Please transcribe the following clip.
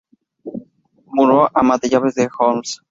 Munro, ama de llaves de Holmes.